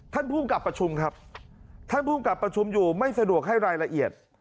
ภูมิกับประชุมครับท่านภูมิกับประชุมอยู่ไม่สะดวกให้รายละเอียด